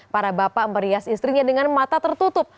para bapak merias istrinya dengan mata tertutup